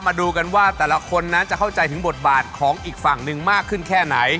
มาดูกันว่าแต่ละคนนั้นจะเข้าใจถึงบทบาทของอีกฝั่งหนึ่งมากขึ้นแค่ไหน